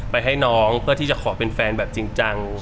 ให้น้องเพื่อที่จะขอเป็นแฟนแบบจริงจัง